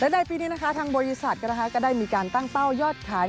ในปีนี้นะคะทางบริษัทก็ได้มีการตั้งเป้ายอดขาย